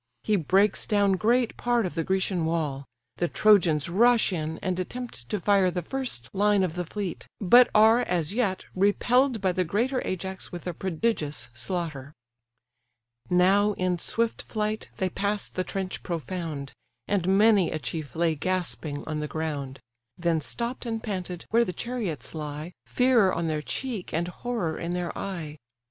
He breaks down great part of the Grecian wall: the Trojans rush in, and attempt to fire the first line of the fleet, but are, as yet, repelled by the greater Ajax with a prodigious slaughter. Now in swift flight they pass the trench profound, And many a chief lay gasping on the ground: Then stopp'd and panted, where the chariots lie Fear on their cheek, and horror in their eye.